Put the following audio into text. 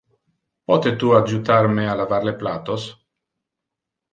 Pote tu adjutar me a lavar le plattos?